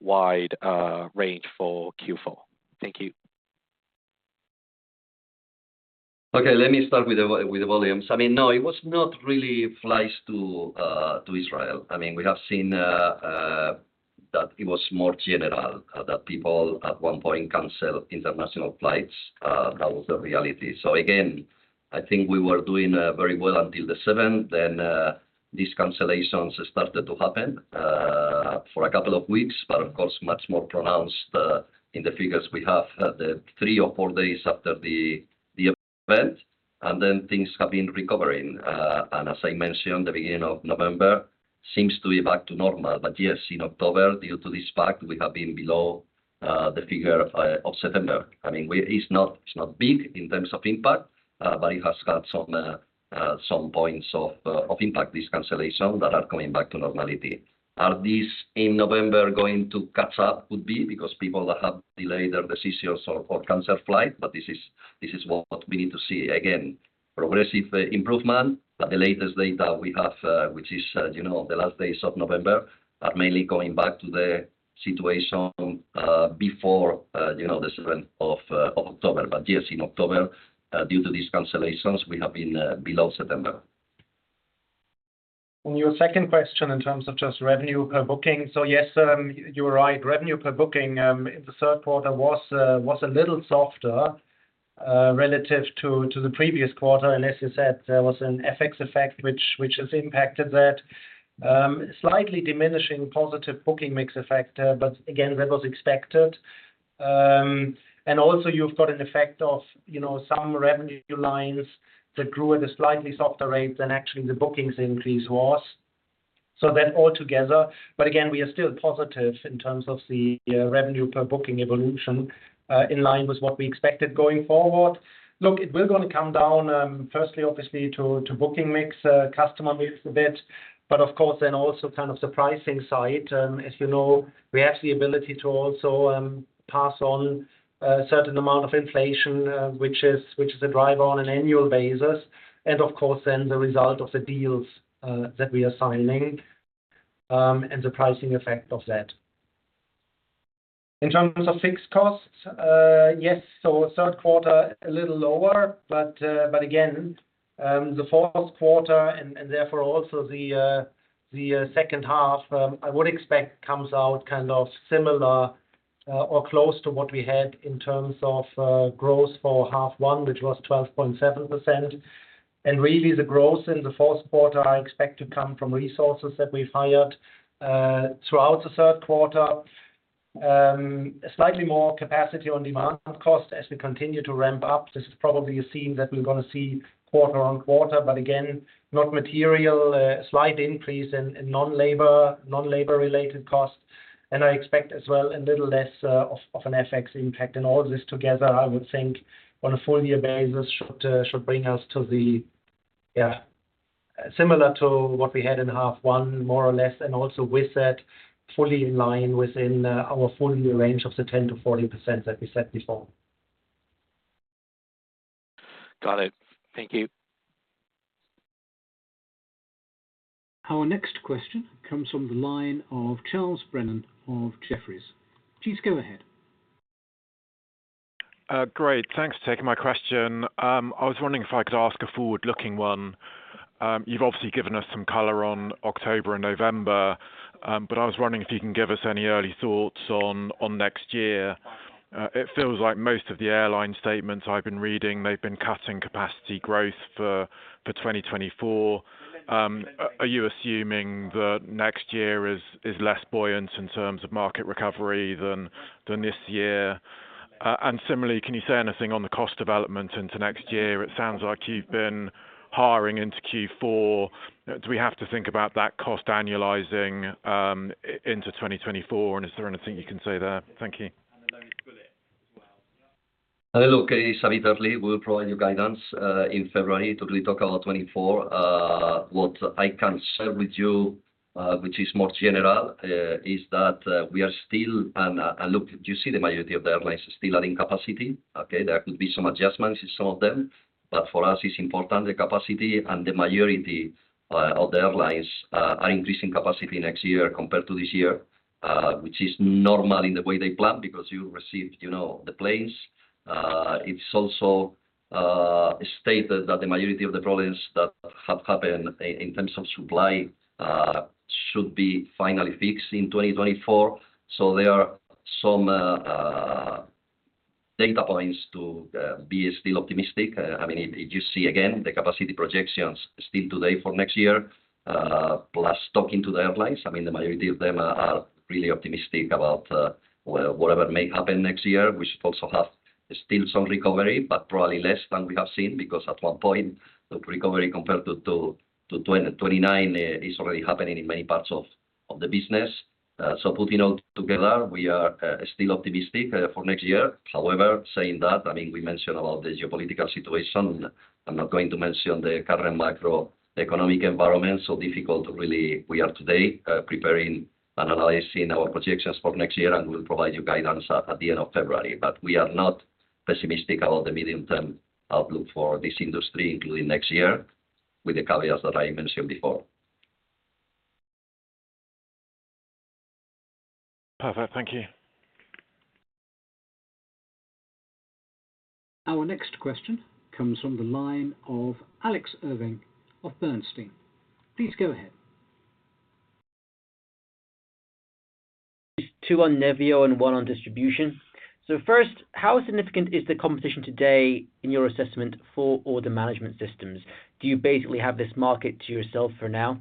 wide, range for Q4? Thank you. Okay, let me start with the volumes. I mean, no, it was not really flights to Israel. I mean, we have seen that it was more general, that people at one point canceled international flights. That was the reality. So again, I think we were doing very well until the seventh, then these cancellations started to happen for a couple of weeks, but of course, much more pronounced in the figures we have, the three or four days after the event, and then things have been recovering. And as I mentioned, the beginning of November seems to be back to normal. But yes, in October, due to this fact, we have been below the figure of September. I mean, it's not big in terms of impact, but it has got some points of impact, this cancellation, that are going back to normality. Are these in November going to catch up? Could be, because people have delayed their decisions or cancel flight, but this is what we need to see. Again, progressive improvement, but the latest data we have, which is, you know, the last days of November, are mainly going back to the situation, before, you know, the seventh of October. But yes, in October, due to these cancellations, we have been below September. On your second question, in terms of just revenue per booking. So yes, you are right. Revenue per booking in the third quarter was a little softer relative to the previous quarter, unless you said there was an FX effect, which has impacted that. Slightly diminishing positive booking mix effect, but again, that was expected. And also you've got an effect of, you know, some revenue lines that grew at a slightly softer rate than actually the bookings increase was. So that altogether, but again, we are still positive in terms of the revenue per booking evolution, in line with what we expected going forward. Look, it will gonna come down, firstly, obviously, to booking mix, customer mix a bit, but of course, then also kind of the pricing side. As you know, we have the ability to also pass on a certain amount of inflation, which is a drive on an annual basis, and of course, then the result of the deals that we are signing, and the pricing effect of that. In terms of fixed costs, yes, so third quarter, a little lower, but, but again, the fourth quarter and, and therefore also the second half, I would expect comes out kind of similar, or close to what we had in terms of growth for half one, which was 12.7%. And really, the growth in the fourth quarter, I expect to come from resources that we fired throughout the third quarter. Slightly more Capacity on Demand cost as we continue to ramp up. This is probably a scene that we're gonna see quarter-on-quarter, but again, not material, a slight increase in non-labor related costs. I expect as well a little less of an FX impact. All this together, I would think on a full-year basis, should bring us to the, yeah, similar to what we had in half one, more or less, and also with that, fully in line within our full-year range of the 10%-40% that we said before. Got it. Thank you. Our next question comes from the line of Charles Brennan of Jefferies. Please go ahead. Great. Thanks for taking my question. I was wondering if I could ask a forward-looking one. You've obviously given us some color on October and November, but I was wondering if you can give us any early thoughts on next year. It feels like most of the airline statements I've been reading, they've been cutting capacity growth for 2024. Are you assuming that next year is less buoyant in terms of market recovery than this year? And similarly, can you say anything on the cost development into next year? It sounds like you've been hiring into Q4. Do we have to think about that cost annualizing into 2024, and is there anything you can say there? Thank you. Hello. Okay, certainly, we'll provide you guidance in February to really talk about 2024. What I can share with you, which is more general, is that we are still, and look, you see the majority of the airlines still are in capacity, okay? There could be some adjustments in some of them, but for us, it's important, the capacity and the majority of the airlines are increasing capacity next year compared to this year, which is normal in the way they plan, because you receive, you know, the planes. It's also stated that the majority of the problems that have happened in terms of supply should be finally fixed in 2024. So there are some data points to be still optimistic. I mean, if you see again, the capacity projections still today for next year, plus talking to the airlines, I mean, the majority of them are really optimistic about, well, whatever may happen next year. We should also have still some recovery, but probably less than we have seen, because at one point, the recovery compared to 2029 is already happening in many parts of the business. So putting all together, we are still optimistic for next year. However, saying that, I mean, we mentioned about the geopolitical situation. I'm not going to mention the current macroeconomic environment, so difficult, really, we are today preparing and analyzing our projections for next year, and we'll provide you guidance at the end of February. But we are not pessimistic about the medium-term outlook for this industry, including next year, with the caveats that I mentioned before. Perfect. Thank you. Our next question comes from the line of Alex Irving of Bernstein. Please go ahead. Two on Nevio and one on distribution. So first, how significant is the competition today in your assessment for order management systems? Do you basically have this market to yourself for now?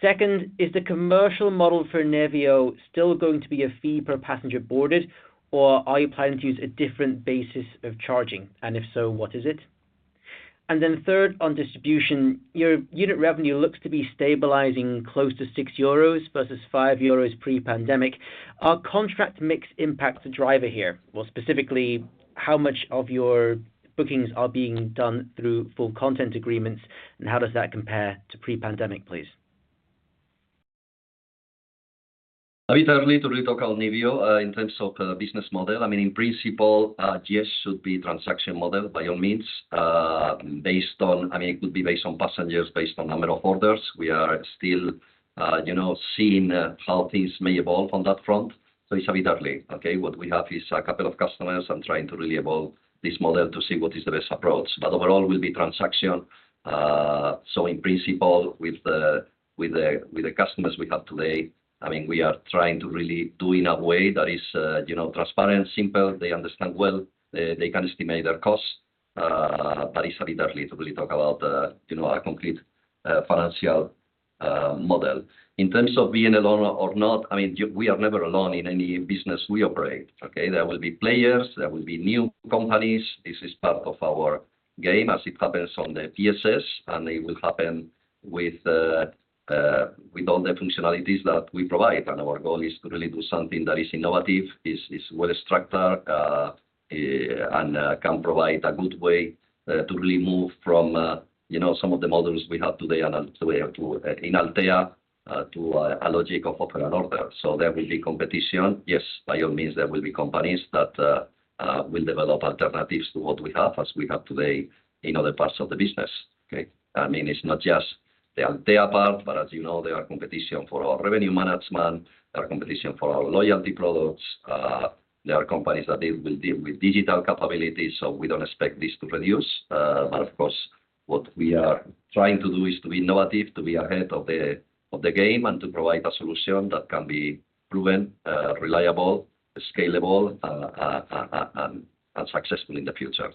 Second, is the commercial model for Nevio still going to be a fee per passenger boarded, or are you planning to use a different basis of charging? And if so, what is it? And then third, on distribution, your unit revenue looks to be stabilizing close to 6 euros versus 5 pre-pandemic. Are contract mix impact the driver here? Well, specifically, how much of your bookings are being done through full content agreements, and how does that compare to pre-pandemic, please? A bit early to really talk on Nevio in terms of business model. I mean, in principle, yes, should be transaction model by all means, based on—I mean, it could be based on passengers, based on number of orders. We are still, you know, seeing how things may evolve on that front, so it's a bit early, okay? What we have is a couple of customers and trying to really evolve this model to see what is the best approach. But overall, will be transaction. So in principle, with the customers we have today, I mean, we are trying to really do in a way that is, you know, transparent, simple, they understand well, they can estimate their costs, but it's a bit early to really talk about the, you know, a complete financial model. In terms of being alone or not, I mean, we are never alone in any business we operate, okay? There will be players, there will be new companies. This is part of our game, as it happens on the PSS, and it will happen with the all the functionalities that we provide. Our goal is to really do something that is innovative, is well structured, and can provide a good way to really move from some of the models we have today and the way up to, in Altea, to a logic of offer and order. So there will be competition. Yes, by all means, there will be companies that will develop alternatives to what we have, as we have today in other parts of the business, okay? I mean, it's not just the Altea part, but as you know, there are competition for our revenue management, there are competition for our loyalty products. There are companies that they will deal with digital capabilities, so we don't expect this to reduce. But of course, what we are trying to do is to be innovative, to be ahead of the game, and to provide a solution that can be proven reliable, scalable, and successful in the future.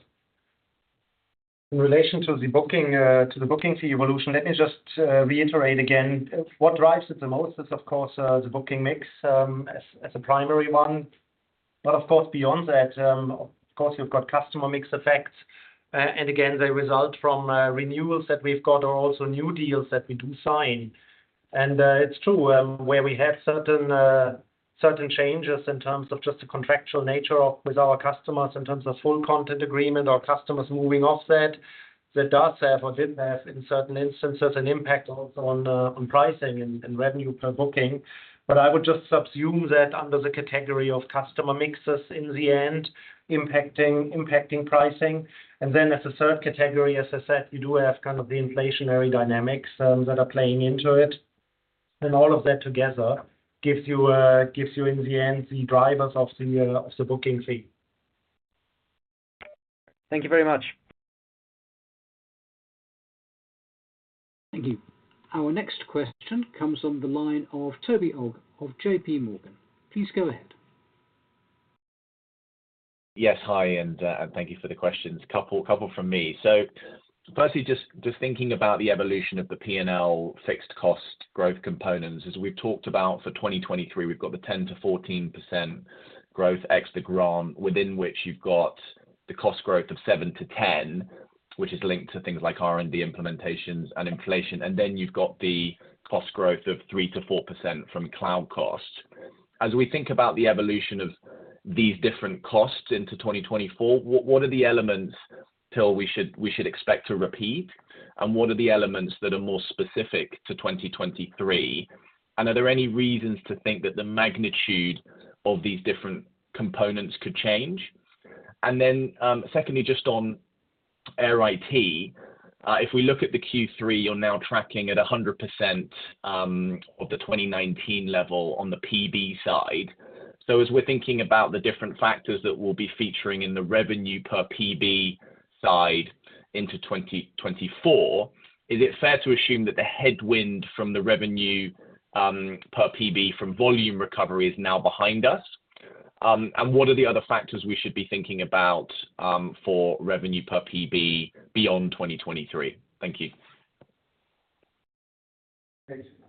In relation to the booking to the booking fee evolution, let me just reiterate again. What drives it the most is, of course, the booking mix, as a primary one. But of course, beyond that, of course, you've got customer mix effects, and again, they result from renewals that we've got or also new deals that we do sign. And it's true, where we have certain changes in terms of just the contractual nature of with our customers in terms of full content agreement or customers moving off that, that does have or did have, in certain instances, an impact also on on pricing and revenue per booking. But I would just subsume that under the category of customer mixes in the end, impacting pricing. Then as a third category, as I said, you do have kind of the inflationary dynamics that are playing into it. And all of that together gives you, in the end, the drivers of the booking fee. Thank you very much. Thank you. Our next question comes on the line of Toby Ogg of J.P. Morgan. Please go ahead. Yes, hi, and thank you for the questions. Couple, couple from me. So firstly, just, just thinking about the evolution of the P&L fixed cost growth components, as we've talked about for 2023, we've got the 10%-14% growth ex the grant, within which you've got the cost growth of 7%-10%, which is linked to things like R&D implementations and inflation, and then you've got the cost growth of 3%-4% from cloud costs.... As we think about the evolution of these different costs into 2024, what, what are the elements, Till, we should, we should expect to repeat? And what are the elements that are more specific to 2023? And are there any reasons to think that the magnitude of these different components could change? Then, secondly, just on Air IT, if we look at the Q3, you're now tracking at 100% of the 2019 level on the PB side. So as we're thinking about the different factors that will be featuring in the revenue per PB side into 2024, is it fair to assume that the headwind from the revenue per PB from volume recovery is now behind us? And what are the other factors we should be thinking about for revenue per PB beyond 2023? Thank you.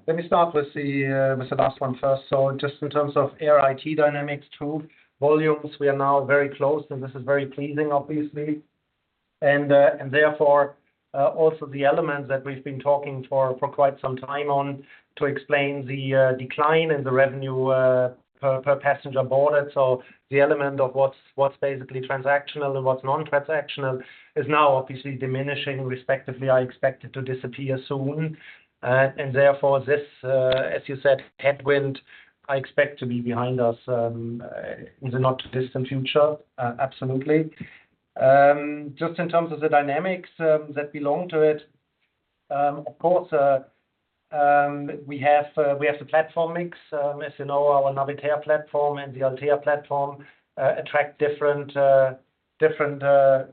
Let me start with the last one first. So just in terms of Air IT dynamics to volumes, we are now very close, and this is very pleasing, obviously. And therefore, also the elements that we've been talking for quite some time on to explain the decline in the revenue per passenger boarded. So the element of what's basically transactional and what's nontransactional is now obviously diminishing. Respectively, I expect it to disappear soon. And therefore, this, as you said, headwind, I expect to be behind us in the not-too-distant future, absolutely. Just in terms of the dynamics that belong to it, of course, we have the platform mix. As you know, our Navitaire platform and the Altea platform attract different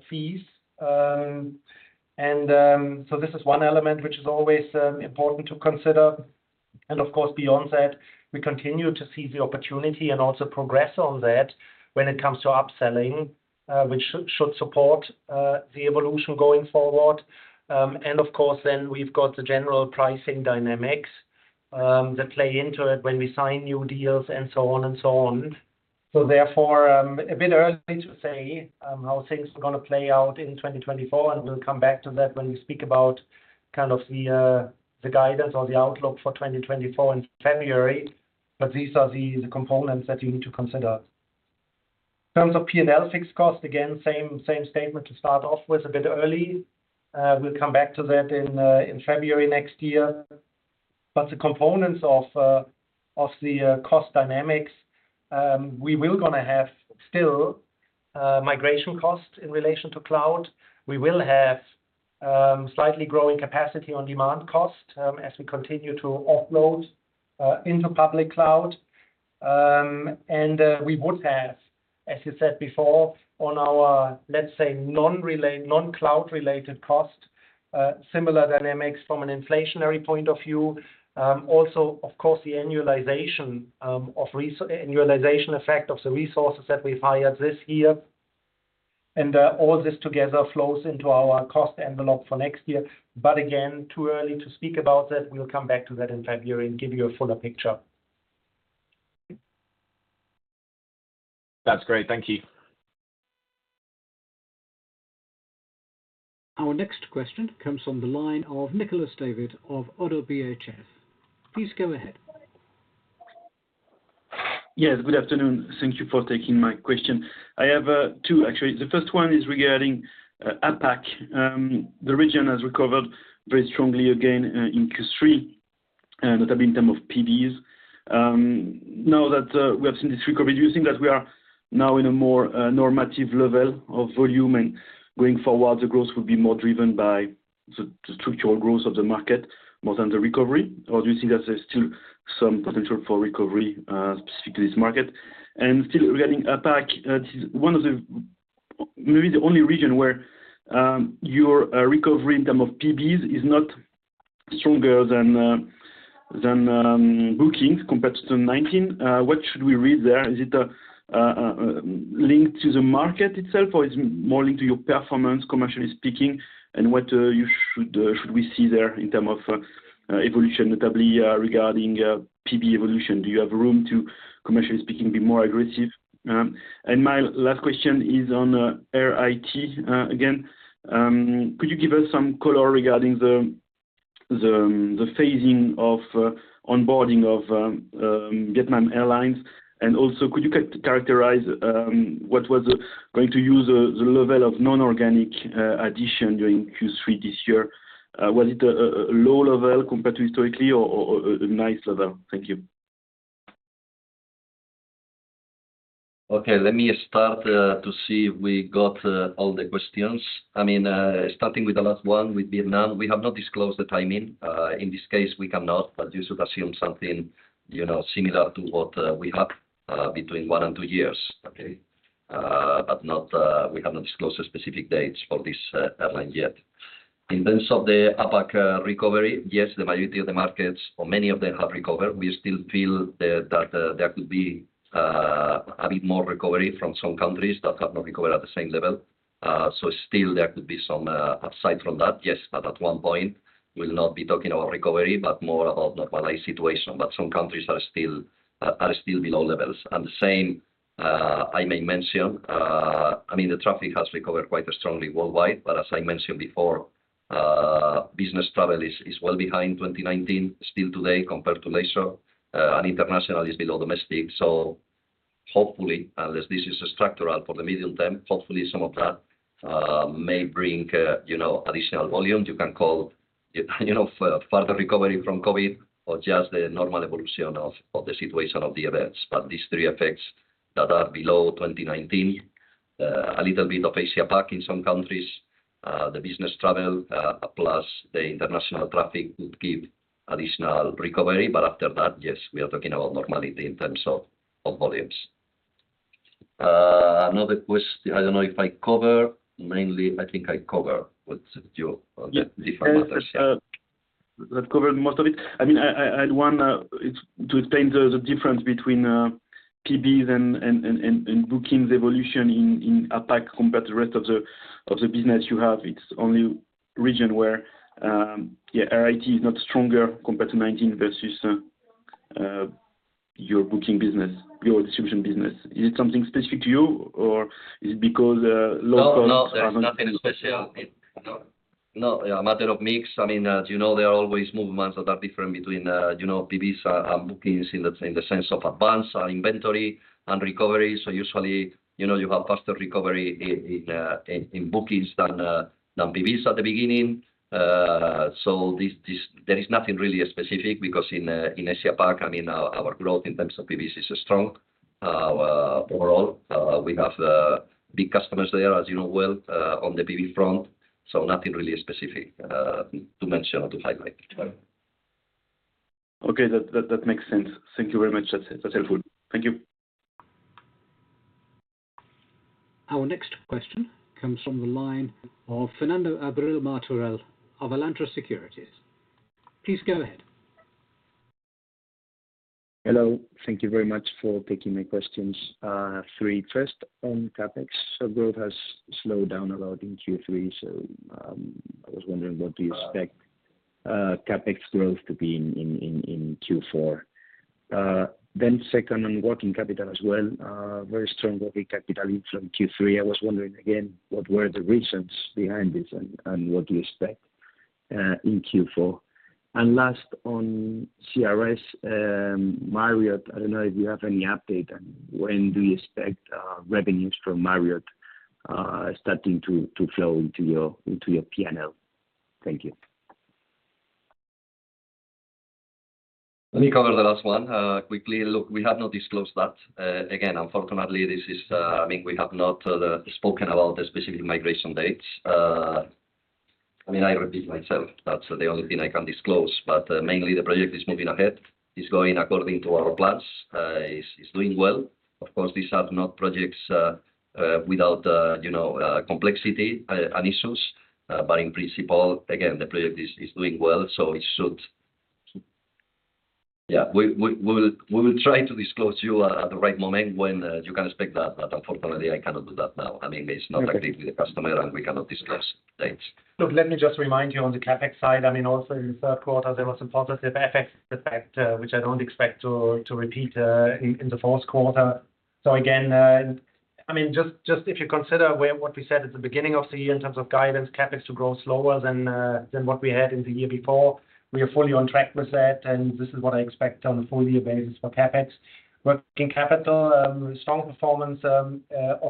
fees. So this is one element which is always important to consider. Of course, beyond that, we continue to see the opportunity and also progress on that when it comes to upselling, which should support the evolution going forward. Of course, then we've got the general pricing dynamics that play into it when we sign new deals and so on and so on. Therefore, a bit early to say how things are going to play out in 2024, and we'll come back to that when we speak about kind of the guidance or the outlook for 2024 in February. But these are the components that you need to consider. In terms of P&L fixed cost, again, same, same statement to start off with, a bit early. We'll come back to that in February next year. But the components of the cost dynamics, we will gonna have still migration costs in relation to cloud. We will have slightly growing Capacity on Demand cost as we continue to offload into public cloud. And we would have, as you said before, on our, let's say, non-cloud related cost, similar dynamics from an inflationary point of view. Also, of course, the annualization effect of the resources that we've hired this year. And all this together flows into our cost envelope for next year. But again, too early to speak about that. We'll come back to that in February and give you a fuller picture. That's great. Thank you. Our next question comes from the line of Nicolas David of ODDO BHF. Please go ahead. Yes, good afternoon. Thank you for taking my question. I have, two, actually. The first one is regarding APAC. The region has recovered very strongly, again, in Q3, notably in terms of PBs. Now that we have seen this recovery, do you think that we are now in a more normative level of volume, and going forward, the growth will be more driven by the, the structural growth of the market more than the recovery? Or do you think there's still some potential for recovery, specifically this market? And still regarding APAC, this is one of the, maybe the only region where, your recovery in terms of PBs is not stronger than, than, bookings compared to 2019. What should we read there? Is it linked to the market itself, or is it more linked to your performance, commercially speaking? And what should we see there in terms of evolution, notably, regarding PB evolution? Do you have room to, commercially speaking, be more aggressive? And my last question is on Air IT. Again, could you give us some color regarding the phasing of onboarding of Vietnam Airlines? And also, could you characterize what was the level of non-organic addition during Q3 this year? Was it a low level compared to historically or a nice level? Thank you. Okay, let me start to see if we got all the questions. I mean, starting with the last one, with Vietnam, we have not disclosed the timing. In this case, we cannot, but you should assume something, you know, similar to what we have between one and two years. Okay? But not, we have not disclosed the specific dates for this airline yet. In terms of the APAC recovery, yes, the majority of the markets or many of them have recovered. We still feel that there could be a bit more recovery from some countries that have not recovered at the same level. So still there could be some aside from that, yes, but at one point, we'll not be talking about recovery, but more of normalized situation. But some countries are still below levels. And the same, I may mention, I mean, the traffic has recovered quite strongly worldwide, but as I mentioned before, business travel is well behind 2019 still today compared to leisure, and international is below domestic. So hopefully, unless this is structural for the medium term, hopefully some of that may bring, you know, additional volumes. You can call, you know, further recovery from COVID or just the normal evolution of the situation of the events. But these three effects that are below 2019, a little bit of Asia back in some countries, the business travel, plus the international traffic would give additional recovery. But after that, yes, we are talking about normality in terms of volumes. Another question, I don't know if I cover. Mainly, I think I cover what you- Yeah. Different aspects. That covered most of it. I mean, I'd want to explain the difference between PBs and bookings evolution in APAC compared to the rest of the business you have. It's only region where, yeah, Air IT is not stronger compared to 2019 versus your booking business, your distribution business. Is it something specific to you, or is it because low cost- No, no, there's nothing special. No, no, a matter of mix. I mean, as you know, there are always movements that are different between, you know, PBs and bookings in the sense of advance and inventory and recovery. So usually, you know, you have faster recovery in bookings than PBs at the beginning. So this, this, there is nothing really specific because in Asia Pac, I mean, our growth in terms of PBs is strong. Overall, we have the big customers there, as you know well, on the PB front, so nothing really specific to mention or to highlight. Okay, that makes sense. Thank you very much. That's helpful. Thank you. Our next question comes from the line of Fernando Abril-Martorell of Alantra Partners. Please go ahead. Hello. Thank you very much for taking my questions. Three, first, on CapEx, so growth has slowed down a lot in Q3, so, I was wondering, what do you expect CapEx growth to be in Q4? Then second, on working capital as well, very strong working capital in Q3. I was wondering again, what were the reasons behind this and what do you expect in Q4? And last, on CRS, Marriott, I don't know if you have any update on when do you expect revenues from Marriott starting to flow into your P&L. Thank you. Let me cover the last one, quickly. Look, we have not disclosed that. Again, unfortunately, this is... I mean, we have not spoken about the specific migration dates. I mean, I repeat myself, that's the only thing I can disclose, but mainly the project is moving ahead. It's going according to our plans. It's doing well. Of course, these are not projects without, you know, complexity and issues, but in principle, again, the project is doing well, so it should. Yeah, we will try to disclose to you at the right moment when you can expect that, but unfortunately, I cannot do that now. I mean, it's not active with the customer, and we cannot discuss dates. Look, let me just remind you on the CapEx side. I mean, also in the third quarter, there was a positive FX effect, which I don't expect to repeat in the fourth quarter. So again, I mean, just if you consider what we said at the beginning of the year in terms of guidance, CapEx to grow slower than what we had in the year before, we are fully on track with that, and this is what I expect on a full year basis for CapEx. Working capital, strong performance of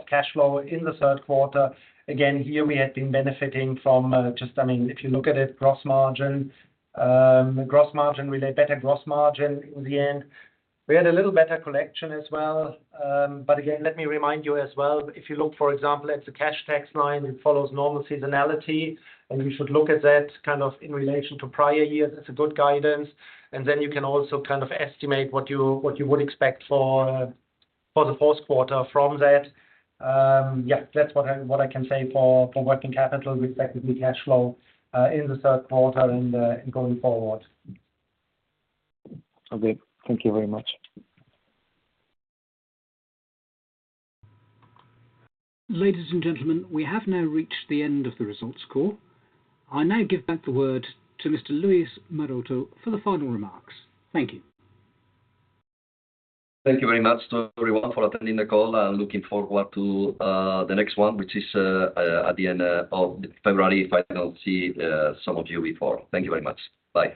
cash flow in the third quarter. Again, here we have been benefiting from, just, I mean, if you look at it, gross margin, gross margin, we laid better gross margin in the end. We had a little better collection as well. But again, let me remind you as well, if you look, for example, at the cash tax line, it follows normal seasonality, and we should look at that kind of in relation to prior years. It's a good guidance. And then you can also kind of estimate what you would expect for the fourth quarter from that. That's what I can say for working capital with respect to the cash flow in the third quarter and going forward. Okay. Thank you very much. Ladies and gentlemen, we have now reached the end of the results call. I now give back the word to Mr. Luis Maroto for the final remarks. Thank you. Thank you very much to everyone for attending the call. I'm looking forward to the next one, which is at the end of February, if I don't see some of you before. Thank you very much. Bye.